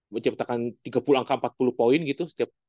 menciptakan tiga puluh angka empat puluh poin gitu setiap